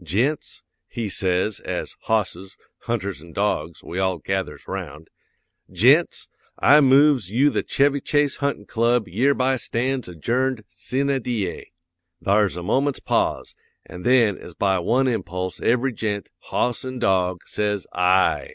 "Gents," he says, as hosses, hunters an' dogs we all gathers 'round, "gents, I moves you the Chevy Chase Huntin' Club yereby stands adjourned sine die." Thar's a moment's pause, an' then as by one impulse every gent, hoss an' dog, says "Ay!"